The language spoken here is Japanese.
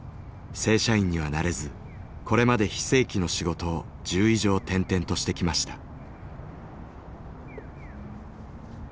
正社員にはなれずこれまで非正規の仕事を１０以上転々としてきました。